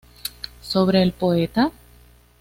Sobre el poeta.